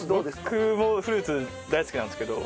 僕もフルーツ大好きなんですけど。